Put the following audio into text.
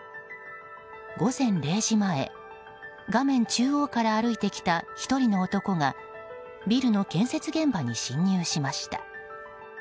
午前０時前、画面中央から歩いてきた１人の男がビルの建設現場に侵入しました。